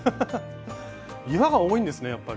岩が多いんですねやっぱり。